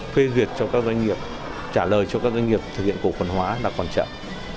phê duyệt cho các doanh nghiệp trả lời cho các doanh nghiệp thực hiện cổ phần hóa là còn chậm